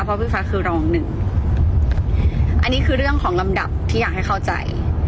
เพราะพี่ฟ้าคือรองหนึ่งอันนี้คือเรื่องของลำดับที่อยากให้เข้าใจ